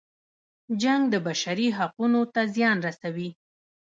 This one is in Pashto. جنګ د بشري حقونو ته زیان رسوي.